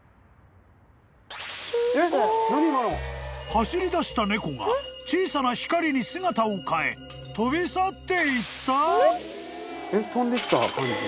［走りだした猫が小さな光に姿を変え飛び去っていった！？］